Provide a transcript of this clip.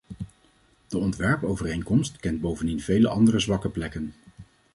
De ontwerpovereenkomst kent bovendien vele andere zwakke plekken.